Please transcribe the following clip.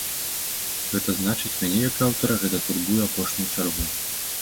Гэта значыць, мяне, як аўтара, гэта турбуе ў апошнюю чаргу.